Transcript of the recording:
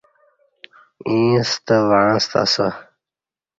ییں ستہ وعݩستہ اسہ